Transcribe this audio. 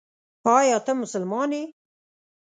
ایا ته مسلمان یې ؟